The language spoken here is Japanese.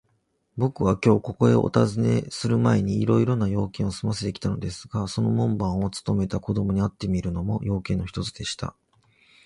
ぼくはきょう、ここへおたずねするまえに、いろいろな用件をすませてきたのですが、その門番をつとめた子どもに会ってみるのも、用件の一つでした。